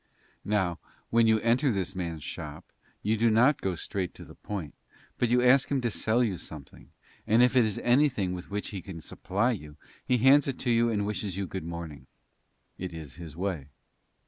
Now when you enter this man's shop you do not go straight to the point but you ask him to sell you something, and if it is anything with which he can supply you he hands it you and wishes you good morning. It is his way.